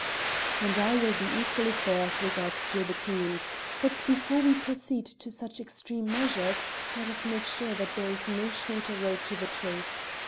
"And I will be equally fair as regards Gilbertine. But, before we proceed to such extreme measures, let us make sure that there is no shorter road to the truth.